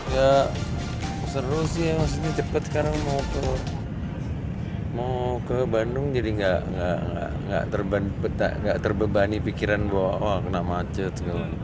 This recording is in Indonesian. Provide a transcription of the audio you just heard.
ya seru sih maksudnya cepat sekarang mau ke bandung jadi nggak terbebani pikiran bahwa wah kena macet